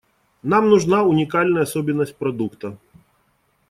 Нам нужна уникальная особенность продукта.